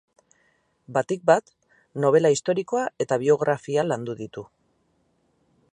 Batik bat, nobela historikoa eta biografia landu ditu.